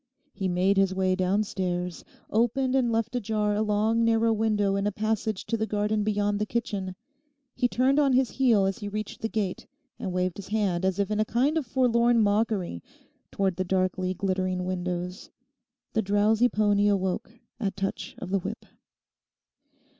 He made his way downstairs, opened and left ajar a long narrow window in a passage to the garden beyond the kitchen. He turned on his heel as he reached the gate and waved his hand as if in a kind of forlorn mockery towards the darkly glittering windows. The drowsy pony awoke at touch of the whip.